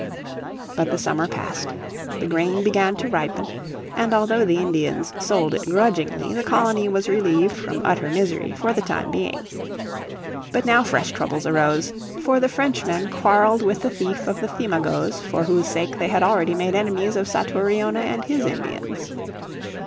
But summer passed. The grain began to ripen, and although the Indians sold it grudgingly the colony was relieved from utter misery for the time being. But now fresh troubles arose, for the Frenchmen quarreled with the chief of the Thimagoes for whose sake they had already made enemies of Satouriona and his Indians.